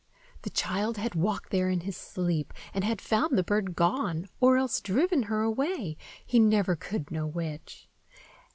The child had walked there in his sleep, and had found the bird gone, or else driven her away, he never could know which.